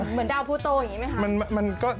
เหมือนดาวภูโตอย่างนี้ไหมคะ